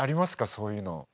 そういうの。